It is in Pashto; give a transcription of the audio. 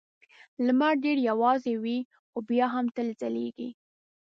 لمر ډېر یوازې وي خو بیا هم تل ځلېږي.